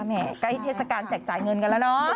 ใกล้เทศกาลแจกจ่ายเงินกันแล้วเนาะ